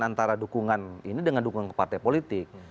antara dukungan ini dengan dukungan ke partai politik